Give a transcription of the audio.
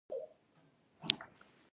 څرګند، څرګندونه، څرګندوی، څرګندونې